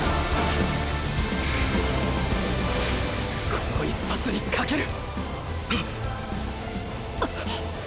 この一発に懸ける！！